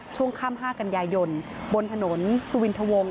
ช่วงข้ามห้ากันยายยนต์บนถนนสุวินทวงศ์